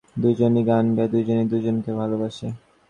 দুজনই গান গাই, দুজনই দুজনকে ভালোবাসি।